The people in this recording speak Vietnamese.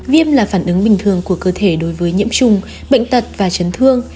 viêm là phản ứng bình thường của cơ thể đối với nhiễm trùng bệnh tật và chấn thương